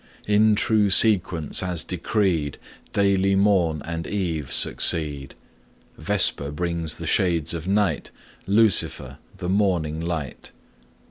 In true sequence, as decreed, Daily morn and eve succeed; Vesper brings the shades of night, Lucifer the morning light.